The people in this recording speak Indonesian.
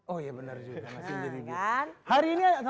oh iya bener juga